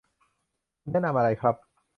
คุณแนะนำอะไรครับ